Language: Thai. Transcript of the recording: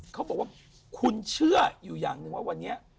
เขาบอกว่าคุณเชื่ออยู่อย่างหนึ่งว่าวันนี้